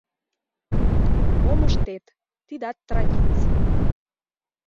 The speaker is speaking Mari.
Мом ыштет — тидат традиций.